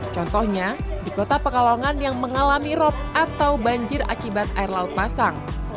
contohnya di kota pekalongan yang mengalami rop atau banjir akibat air laut pasang